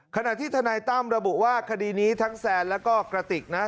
ขณะที่ทนายตั้มระบุว่าคดีนี้ทั้งแซนแล้วก็กระติกนะ